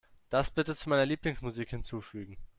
Das bitte zu meiner Lieblingsmusik hinzufügen.